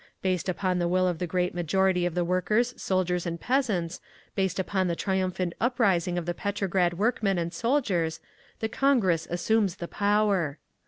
Based upon the will of the great majority of the workers', soldiers and peasants, based upon the triumphant uprising of the Petrograd workmen and soldiers, the Congress assumes the Power.